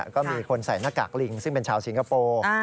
ก็มีคนใส่หน้ากากลิงซึ่งเป็นชาวสิงคโปร์